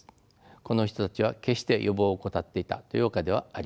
この人たちは決して予防を怠っていたというわけではありません。